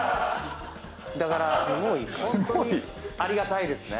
だからホントにありがたいですね。